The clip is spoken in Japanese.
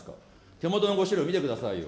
手元のご資料見てくださいよ。